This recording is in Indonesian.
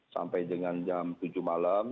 sampai dengan jam tujuh malam